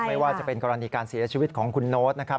ไม่ว่าจะเป็นกรณีการเสียชีวิตของคุณโน๊ตนะครับ